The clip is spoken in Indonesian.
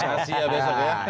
terima kasih ya besok ya